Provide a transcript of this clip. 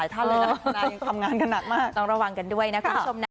ยังไม่พร้อมครับ